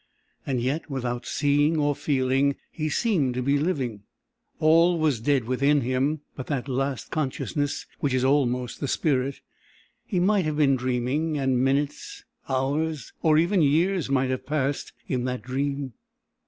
And yet, without seeing or feeling, he seemed to be living. All was dead within him but that last consciousness, which is almost the spirit; he might have been dreaming, and minutes, hours, or even years might have passed in that dream.